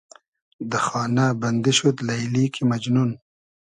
دۂ خانۂ بئندی شود لݷلی کی مئجنون